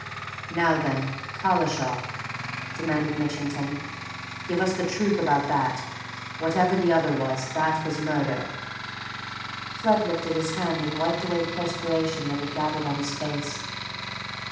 "Now, then, Collishaw?" demanded Mitchington. "Give us the truth about that. Whatever the other was, that was murder!" Flood lifted his hand and wiped away the perspiration that had gathered on his face.